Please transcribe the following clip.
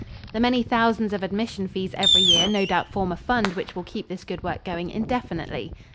The many thousands of admission fees every year no doubt form a fund which will keep this good work going indefinitely.